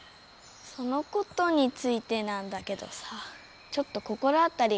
そのことについてなんだけどさちょっと心当たりがありまして。